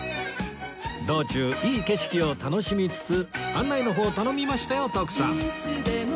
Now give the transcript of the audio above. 道中いい景色を楽しみつつ案内の方頼みましたよ徳さん